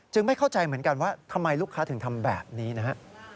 ไม่เข้าใจเหมือนกันว่าทำไมลูกค้าถึงทำแบบนี้นะฮะ